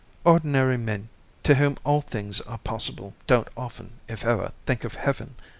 Ordinary men, to whom all things are possible, don't often, if ever, think of Heaven.